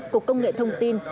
cục công nghệ thông tin